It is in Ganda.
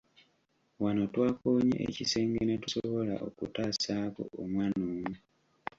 Wano twakoonye ekisenge ne tusobola okutaasaako omwana omu.